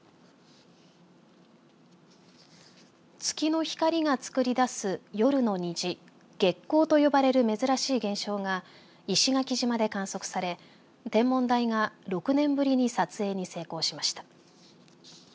月の光が作り出す、夜の虹月虹と呼ばれる珍しい現象が石垣島で観測され天文台が６年ぶりに撮影に成功しました。